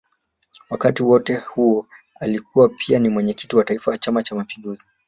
Wakati wote huo alikuwa pia ni Mwenyekiti wa Taifa wa Chama cha Mapinduzi